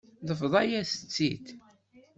Tebḍa-yas-tt-id.